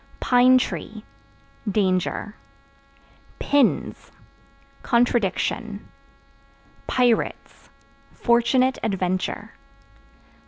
Pine Tree Danger. Pins Contradiction. Pirates Fortunate adventure.